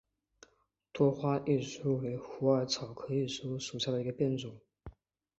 多花溲疏为虎耳草科溲疏属下的一个变种。